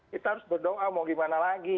kita harus berdoa mau gimana lagi